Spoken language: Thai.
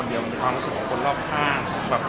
มันเป็นความรู้สึกแบบเรของคนรอบห้าง